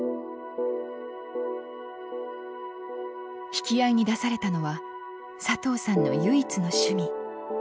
引き合いに出されたのは佐藤さんの唯一の趣味海釣りでした。